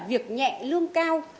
việc nhẹ lương cao